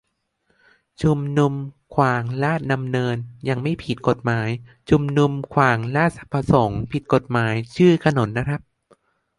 ชุมนุมขวางราชดำเนิน ยังไม่ผิดกฎหมาย ชุมนุมขวางราชประสงค์ ผิดกฎหมาย ชื่อถนนนะครับ